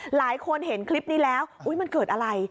หลายคนเห็นคลิปนี้แล้วมันเกิดอะไร